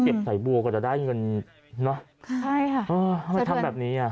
เก็บไส่บัวก็จะได้เงินเนอะใช่ค่ะเออทำแบบนี้อ่ะ